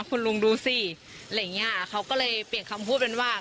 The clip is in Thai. คุณลุงดูสิอะไรอย่างเงี้ยเขาก็เลยเปลี่ยนคำพูดเป็นว่า